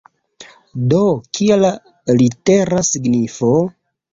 Do, kia la litera signifo?